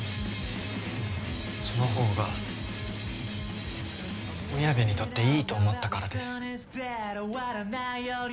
そのほうがみやべにとっていいと思ったからです。